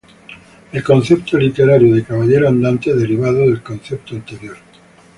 El concepto literario de caballero andante, derivado del concepto anterior.